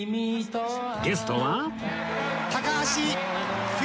ゲストは